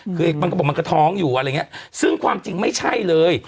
คือมันก็บอกมันก็ท้องอยู่อะไรอย่างเงี้ยซึ่งความจริงไม่ใช่เลย